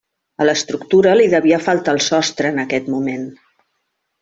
A l'estructura li devia faltar el sostre en aquest moment.